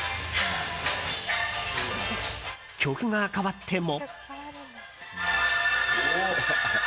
曲が変わっても。